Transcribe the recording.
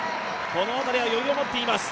この辺りは余裕を持っています。